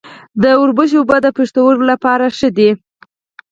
د وربشو اوبه د پښتورګو لپاره ښې دي.